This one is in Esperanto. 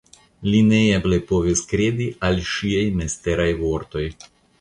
Li neeble povis kredi al ŝiaj misteraj vortoj.